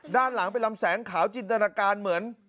ด้านหลังเป็นลำแสงขาวจินตนาการเหมือน